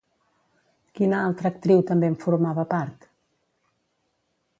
Quina altra actriu també en formava part?